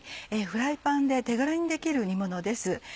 フライパンで手軽にできる煮ものです。